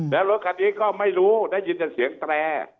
แล้วรถคันนี้ก็ไม่รู้ได้ยินแต่เสียงแตร